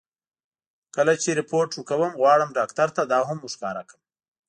کله چې رېپورټ ورکوم، غواړم ډاکټر ته دا هم ور ښکاره کړم.